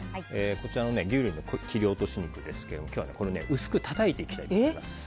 こちらの牛の切り落とし肉ですけども薄くたたいていきたいと思います。